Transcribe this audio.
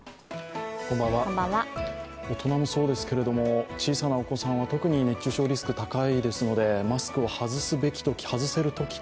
大人もそうですが、小さなお子さんは特に熱中症リスクが高いですのでマスクを外すべきとき